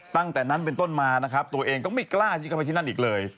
ตั้งแต่นั้นเป็นต้นมาตัวเองก็ไม่กล้าชิดกลับที่นั่นอีกเลย